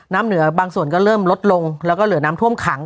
น้ำเหนือบางส่วนก็เริ่มลดลงแล้วก็เหลือน้ำท่วมขัง